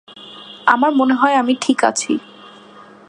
আমার মনে হয় আমি ঠিক আছি।